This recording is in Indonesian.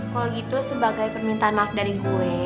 kalau gitu sebagai permintaan maaf dari gue